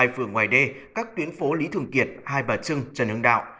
hai phường ngoài đê các tuyến phố lý thường kiệt hai bà trưng trần hưng đạo